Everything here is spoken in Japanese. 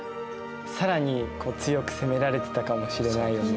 更に強く攻められてたかもしれないよね。